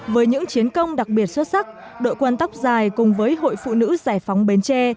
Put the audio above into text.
với những chiến công đặc biệt xuất sắc đội quân tóc dài cùng với hội phụ nữ giải phóng bến tre